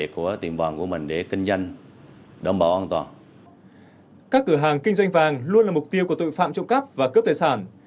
các cửa hàng kinh doanh vàng luôn là mục tiêu của tội phạm trộm cắp và cướp tài sản